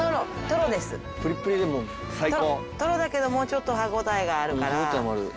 トロだけどもうちょっと歯応えがあるから最高ですよ。